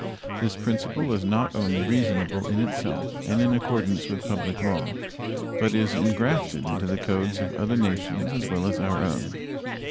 This principle is not only reasonable in itself and in accordance with public law, but is ingrafted into the codes of other nations as well as our own.